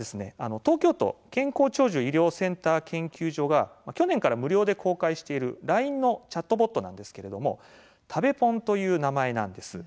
東京都健康長寿医療センター研究所が去年から無料で公開しているＬＩＮＥのチャットボットなんですけれども「食べポン」という名前なんです。